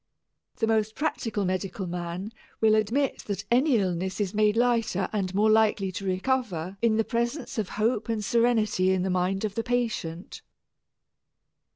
The most practical medical man will admit that any illness is made lighter and more likely to recover in the presence of hope and serenity in the mind of the patient.